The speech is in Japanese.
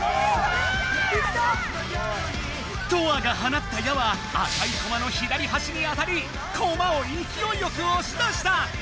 トアがはなった矢は赤いコマの左はしに当たりコマをいきおいよくおし出した！